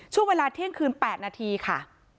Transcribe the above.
ช่วงเวลาเที่ยงคืน๘นาทีค่ะ